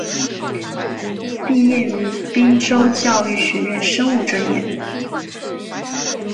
毕业于滨州教育学院生物专业。